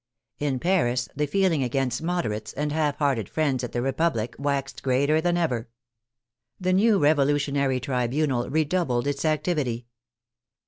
In Paris the feel ing against " Moderates " and half hearted friends of the Republic waxed greater than ever. The new Revolution ary Tribunal redoubled its activity.